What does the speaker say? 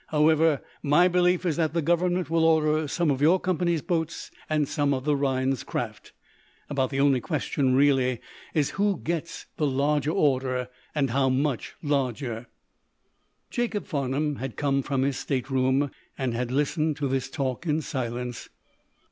"However, my belief is that the government will order some of your company's boats, and some of the Rhinds craft. About the only question, really, is who gets the larger order and how much larger." Jacob Farnum had come from his stateroom, and had listened to this talk in silence.